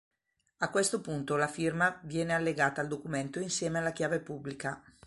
A questo punto la firma viene allegata al documento insieme alla chiave pubblica.